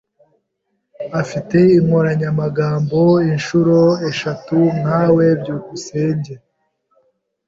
Afite inkoranyamagambo inshuro eshatu nkawe. byukusenge